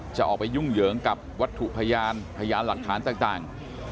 จะออกไปยุ่งเหยิงกับวัตถุพยานพยานหลักฐานต่าง